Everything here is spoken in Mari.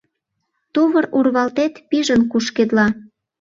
Тувыр урвалтет пижын кушкедла.